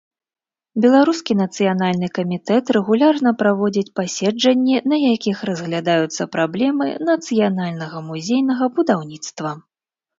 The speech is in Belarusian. Беларускі нацыянальны камітэт рэгулярна праводзіць паседжанні, на якіх разглядаюцца праблемы нацыянальнага музейнага будаўніцтва.